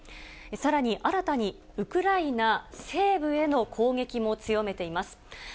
さらに、新たにウクライナ西部への攻撃も強めています。